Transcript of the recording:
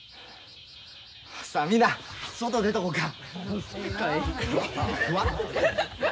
さあみんな外出とこうか。